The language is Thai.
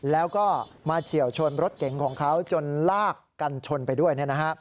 แล้วก็มาเฉียวชนรถเก๋งของเขาจนลากกันชนไปด้วย